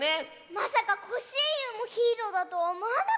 まさかコッシーユもヒーローだとはおもわなかった。